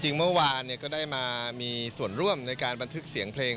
เมื่อวานก็ได้มามีส่วนร่วมในการบันทึกเสียงเพลง